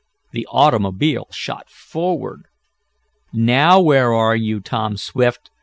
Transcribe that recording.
The automobile shot forward. "Now where are you, Tom Swift?"